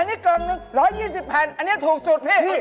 อันนี้กล่องหนึ่ง๑๒๐แผ่นอันนี้ถูกสุดพี่